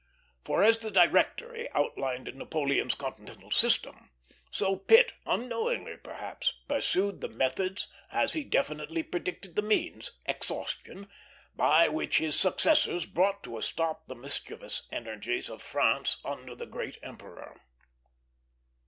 For as the Directory outlined Napoleon's Continental System, so Pitt, unknowingly perhaps, pursued the methods, as he definitely predicted the means exhaustion by which his successors brought to a stop the mischievous energies of France under the great emperor.